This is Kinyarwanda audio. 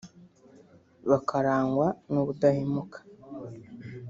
bakarangwa n’ubudahemuka